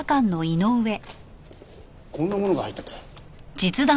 こんなものが入ってて。